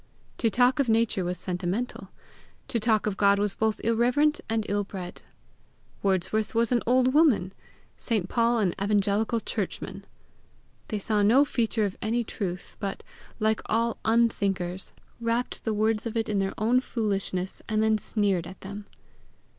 To talk of Nature was sentimental. To talk of God was both irreverent and ill bred. Wordsworth was an old woman; St. Paul an evangelical churchman. They saw no feature of any truth, but, like all unthinkers, wrapped the words of it in their own foolishness, and then sneered at them.